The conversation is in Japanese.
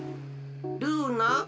ルーナ？